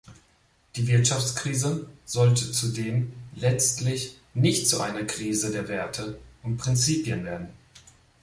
Die Wirtschaftskrise sollte zudem letztlich nicht zu einer Krise der Werte und Prinzipien werden.